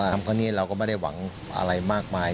ทำกันเราก็ไม่ได้หวังอะไรมากมาย